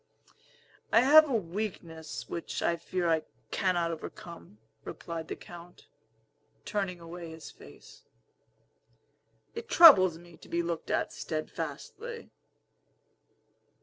"I have a weakness which I fear I cannot overcome," replied the Count, turning away his face. "It troubles me to be looked at steadfastly."